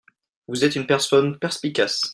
Vous êtes une personne perspicace.